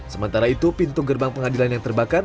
sementara itu pintu gerbang pengadilan yang terbakar